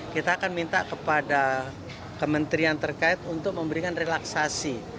kita akan minta kepada kementerian terkait untuk memberikan relaksasi